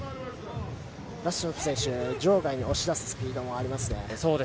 ラシドフ選手場外に押し出すスピードがありますね。